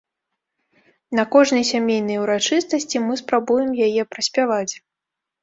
На кожнай сямейнай урачыстасці мы спрабуем яе праспяваць.